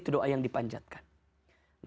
doa yang dipanjatkan